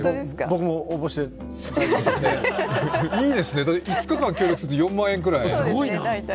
僕も応募していいですね、５日間協力すると４万円ぐらい。